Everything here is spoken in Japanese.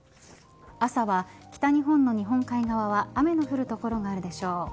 朝は北日本の日本海側は雨の降る所があるでしょう。